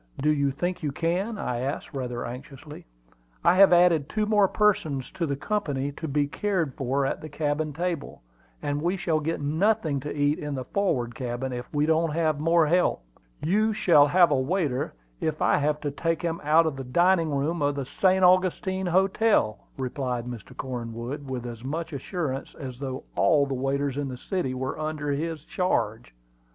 "Do you think you can?" I asked, rather anxiously. "I have added two more persons to the company to be cared for at the cabin table, and we shall get nothing to eat in the forward cabin if we don't have more help." "You shall have a waiter if I have to take him out of the dining room of the St. Augustine Hotel," replied Mr. Cornwood, with as much assurance as though all the waiters in the city were under his charge.